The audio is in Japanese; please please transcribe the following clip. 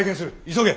急げ。